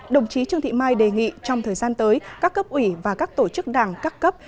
đồng chí trương thị mai đề nghị trong thời gian tới các cấp ủy và các tổ chức đảng các cấp